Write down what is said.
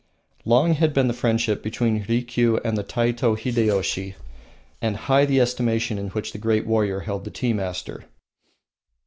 Long had been the friendship between Rikiu and the Taiko Hideyoshi, and high the estimation in which the great warrior held the tea master.